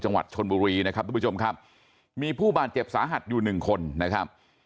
จังหวัดชนบุรีนะครับทุกผู้ชมครับมีผู้บาดเจ็บสาหัสอยู่หนึ่งคนนะครับ